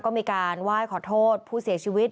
ก็มีการไหว้ขอโทษผู้เสียชีวิต